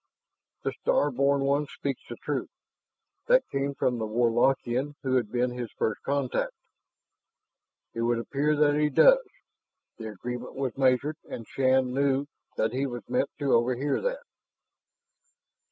"The star born one speaks the truth!" That came from the Warlockian who had been his first contact. "It would appear that he does." The agreement was measured, and Shann knew that he was meant to "overhear" that.